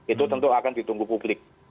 itu tentu akan ditunggu publik